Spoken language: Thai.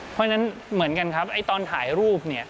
เพราะฉะนั้นเหมือนกันครับไอ้ตอนถ่ายรูปเนี่ย